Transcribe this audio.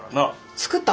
作った？